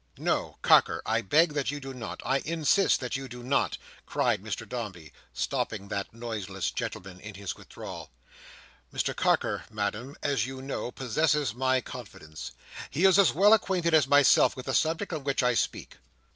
"No! Carker! I beg that you do not. I insist that you do not," cried Mr Dombey, stopping that noiseless gentleman in his withdrawal. "Mr Carker, Madam, as you know, possesses my confidence. He is as well acquainted as myself with the subject on which I speak.